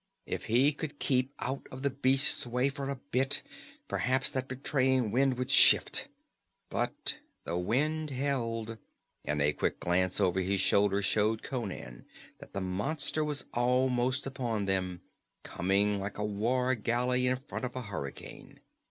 If he could keep out of the beast's way for a bit, perhaps that betraying wind would shift but the wind held, and a quick glance over his shoulder showed Conan that the monster was almost upon them, coming like a war galley in front of a hurricane.